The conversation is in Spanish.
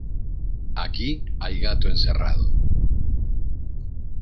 Aquí hay gato encerrado.